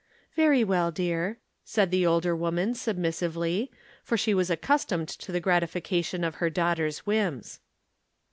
"Very well, dear," said the older woman submissively, for she was accustomed to the gratification of her daughter's whims.